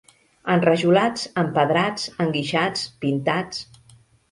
Enrajolats empedrats enguixats pintats...